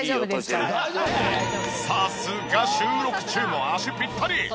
さすが収録中も脚ピッタリ！